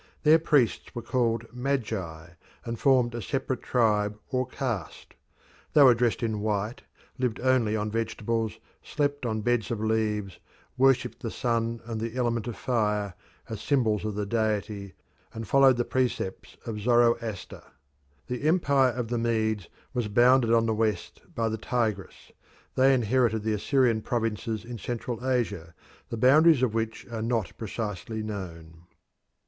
Their priests were called Magi, and formed a separate tribe or caste; they were dressed in white, lived only on vegetables, slept on beds of leaves, worshipped the sun and the element of fire, as symbols of the deity, and followed the precepts of Zoroaster. The empire of the Medes was bounded on the west by the Tigris. They inherited the Assyrian provinces in Central Asia, the boundaries of which are not precisely known.